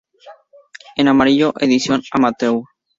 En amarillo edición amateur.